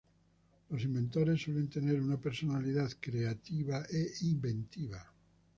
Los inventores suelen tener una "personalidad creativa" e inventiva.